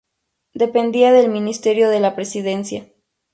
Dependía del Ministerio de la Presidencia.